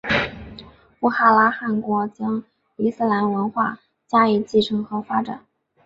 布哈拉汗国将伊斯兰文化加以继承和发展。